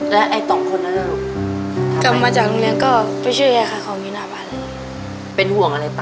แล้วไอ้ต่อคนนะลูก